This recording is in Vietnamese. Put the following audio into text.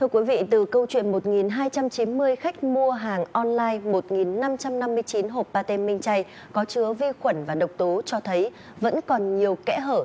câu chuyện một nghìn hai trăm chín mươi khách mua hàng online một nghìn năm trăm năm mươi chín hộp pate minh chay có chứa vi khuẩn và độc tố cho thấy vẫn còn nhiều kẽ hở